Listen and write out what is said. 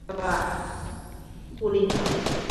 鸟井坂面影堂魔法使魔法指环